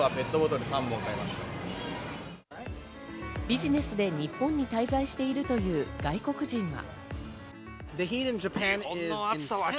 ビジネスで日本に滞在しているという外国人は。